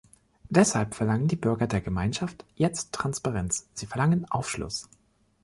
Deshalb verlangen die Bürger der Gemeinschaft jetzt Transparenz, sie verlangen Aufschluss.